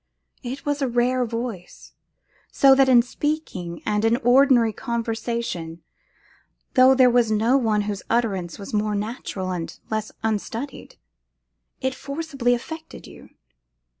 It was a rare voice; so that in speaking, and in ordinary conversation, though there was no one whose utterance was more natural and less unstudied, it forcibly affected you.